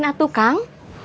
kena tuh kang